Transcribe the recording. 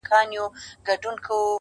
څنگه دي زړه څخه بهر وباسم.